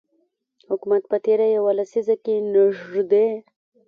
حکومت په تیره یوه لسیزه کې نږدې